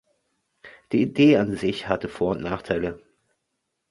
Die Idee an sich hat Vor- und Nachteile.